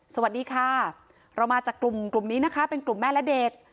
สวัสดีค่ะเรามาจากกลุ่มกลุ่มนี้นะคะเป็นกลุ่มแม่และเด็ก